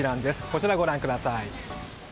こちら、ご覧ください。